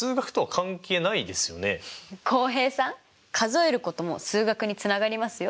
浩平さん数えることも数学につながりますよ。